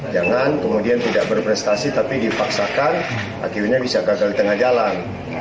jangan kemudian tidak berprestasi tapi dipaksakan akhirnya bisa gagal di tengah jalan